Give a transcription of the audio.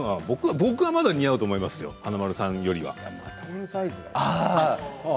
僕はまだ似合うと思いますよ華丸さんよりは。